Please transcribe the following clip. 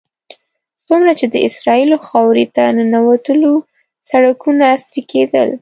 څومره چې د اسرائیلو خاورې ته ننوتلو سړکونه عصري کېدل.